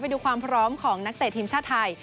ดูความพร้อมของนักเตะทีมชาติไทย